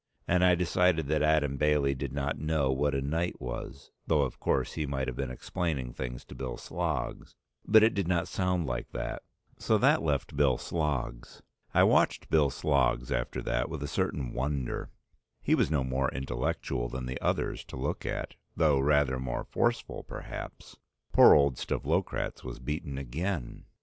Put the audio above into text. And I decided that Adam Bailey did not know what a knight was, though of course he might have been explaining things to Bill Sloggs, but it did not sound like that; so that left Bill Sloggs. I watched Bill Sloggs after that with a certain wonder; he was no more intellectual than the others to look at, though rather more forceful perhaps. Poor old Stavlokratz was beaten again.